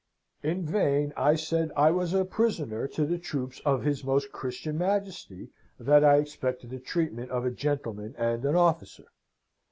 "In vain I said I was a prisoner to the troops of his Most Christian Majesty, that I expected the treatment of a gentleman and an officer.